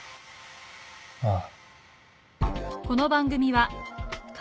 ああ。